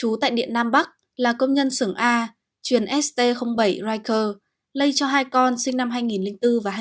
gia đình nhà bà bắc là công nhân xưởng a chuyển st bảy riker lây cho hai con sinh năm hai nghìn bốn và hai nghìn một mươi năm